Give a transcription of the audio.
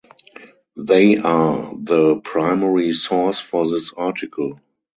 They are the primary source for this article.